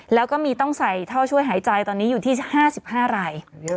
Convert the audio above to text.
แล้วก็มีต้องใส่ท่อช่วยหายใจตอนนี้อยู่ที่๕๕ราย